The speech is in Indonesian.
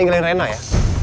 jangan sampai ada apa apa